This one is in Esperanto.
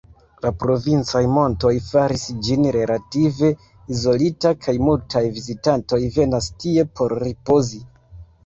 La provincaj montoj faris ĝin relative izolita, kaj multaj vizitantoj venas tie por ripozi.